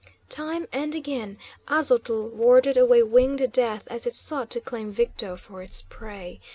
Time and again Aztotl warded away winged death as it sought to claim Victo for its prey.